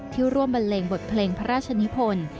ร่วมบันเลงบทเพลงพระราชนิพล